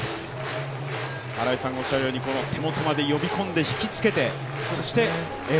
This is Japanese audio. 新井さんがおっしゃるように手元まで呼び込んで引きつけてそして。